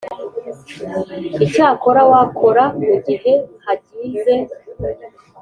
Icyo wakora mu gihe hagize